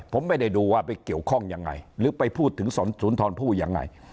ผมไม่ได้ดูว่าไปเกี่ยวข้องยังไงหรือไปพูดถึงสุนทรผู้ยังไง